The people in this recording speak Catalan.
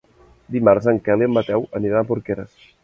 Dimarts en Quel i en Mateu aniran a Porqueres.